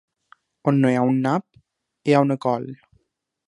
On no hi ha un nap, hi ha una col.